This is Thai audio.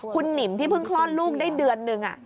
คุณหนิมที่เพิ่งคลอดลูกได้เดือนหนึ่ง